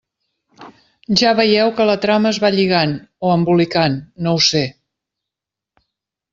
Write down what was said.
Ja veieu que la trama es va lligant, o embolicant, no ho sé.